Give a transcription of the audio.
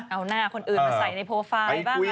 เอาหน้าคนอื่นมาใส่ในโพลไฟล์บ้างอะไรบ้าง